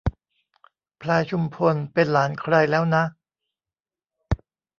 พลายชุมพลเป็นหลานใครแล้วนะ